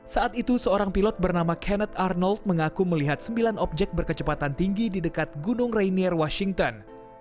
saat itu seorang pilot bernama kennet arnold mengaku melihat sembilan objek berkecepatan tinggi di dekat gunung rainier washington